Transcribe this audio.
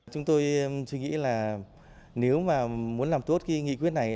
chúng tôi suy nghĩ là nếu mà muốn làm tốt cái nghị quyết này